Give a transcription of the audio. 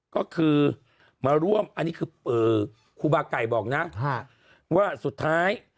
ก็คือมาร่วมอันนี้คือครูบาไก่บอกนะว่าสุดท้าย